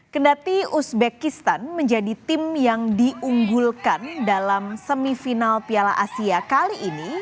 kendati uzbekistan menjadi tim yang diunggulkan dalam semifinal piala asia kali ini